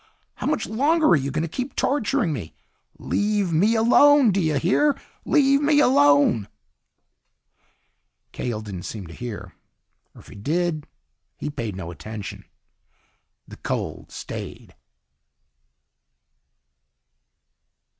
How much longer are you going to keep torturing me? Leave me alone, do you hear? Leave me alone!" Cahill didn't seem to hear. Or if he did, he paid no attention. The cold stayed.